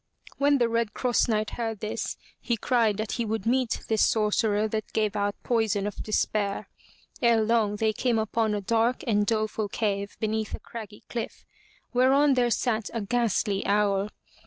When the Red Cross Knight heard this, he cried that he would meet this sorcerer that gave out poison of despair. Ere long they came upon a dark and doleful cave beneath a craggy cliff, whereon there sat a ghastly owl.